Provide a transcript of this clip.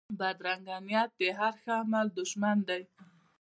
بدرنګه نیت د هر ښه عمل دشمن دی